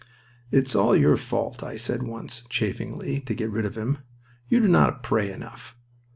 "It is all your fault," I said once, chaffingly, to get rid of him. "You do not pray enough."